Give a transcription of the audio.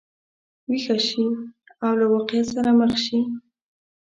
ویښه شي او له واقعیت سره مخ شي.